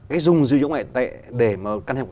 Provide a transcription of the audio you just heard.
cái dung dưới dưới ngoại tệ để can thiệp